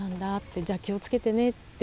じゃあ気を付けてねって。